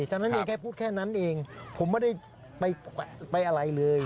ฉะนั้นพูดแค่นั้นเองผมไม่ได้ไปอะไรเลย